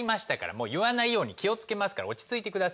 もう言わないように気を付けますから落ち着いてください。